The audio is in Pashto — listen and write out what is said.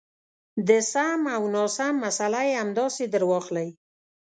د سم او ناسم مساله یې همداسې درواخلئ.